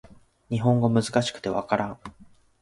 日本語難しくて分からん